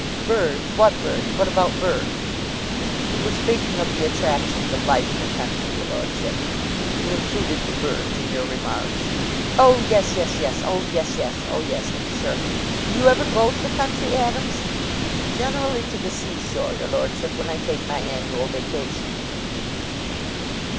"Birds! What birds? What about birds?" "You were speaking of the attractions of life in the country, your lordship. You included the birds in your remarks." "Oh, yes, yes, yes! Oh, yes, yes! Oh, yes to be sure. Do you ever go to the country, Adams?" "Generally to the seashore, your lordship when I take my annual vacation."